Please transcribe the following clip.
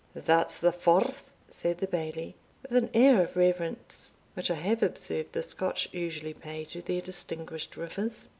"That's the Forth," said the Bailie, with an air of reverence, which I have observed the Scotch usually pay to their distinguished rivers.